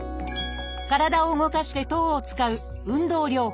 体を動かして糖を使う「運動療法」。